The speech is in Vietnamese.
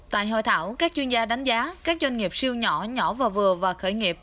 tại hội thảo các chuyên gia đánh giá các doanh nghiệp siêu nhỏ nhỏ và vừa và khởi nghiệp